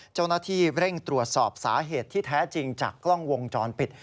เจ้าหน้าที่เร่งตรวจสอบสาเหตุที่แท้จริงจากกล้องวงจรปิด